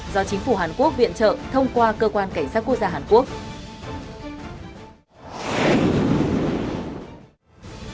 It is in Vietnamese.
do chính phủ hàn quốc viện trợ thông qua cơ quan cảnh sát quốc gia hàn quốc